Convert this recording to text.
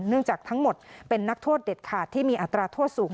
จากทั้งหมดเป็นนักโทษเด็ดขาดที่มีอัตราโทษสูง